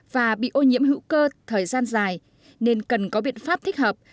và bị ô nhiễm hữu cơ thời gian dài nên cần có biện pháp thích hợp